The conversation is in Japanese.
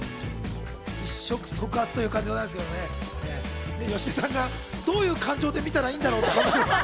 一触即発でございますけど、芳根さんがどういう感情で見たらいいんだろうって。